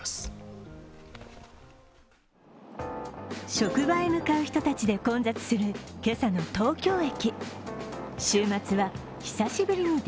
職場へ向かう人たちで混雑する今朝の東京駅。